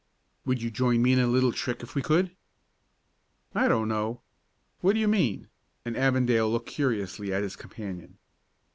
"Would you join me in a little trick if we could?" "I don't know. What do you mean?" and Avondale looked curiously at his companion.